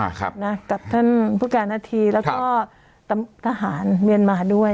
ครับนะกับท่านผู้การนาธีแล้วก็ทหารเมียนมาด้วย